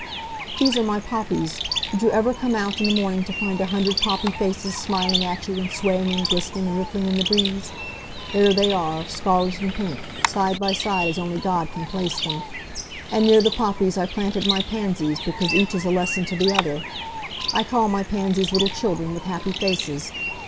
"These are my poppies. Did you ever come out in the morning to find a hundred poppy faces smiling at you, and swaying and glistening and rippling in the breeze? There they are, scarlet and pink, side by side as only God can place them. And near the poppies I planted my pansies, because each is a lesson to the other. I call my pansies little children with happy faces.